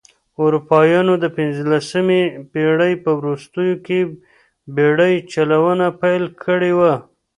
اروپایانو د پنځلسمې پېړۍ په وروستیو کې بېړۍ چلونه پیل کړې وه.